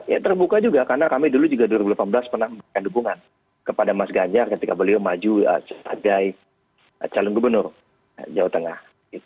ya terbuka juga karena kami dulu juga dua ribu delapan belas pernah memberikan dukungan kepada mas ganjar ketika beliau maju sebagai calon gubernur jawa tengah